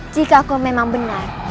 jika aku memang benar